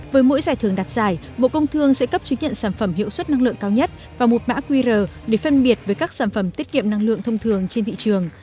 với mỗi giải thưởng đặt giải bộ công thương sẽ cấp chứng nhận sản phẩm hiệu suất năng lượng cao nhất và một mã qr để phân biệt với các sản phẩm tiết kiệm năng lượng thông thường trên thị trường